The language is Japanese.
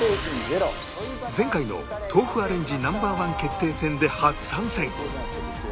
前回の豆腐アレンジ Ｎｏ．１ 決定戦で初参戦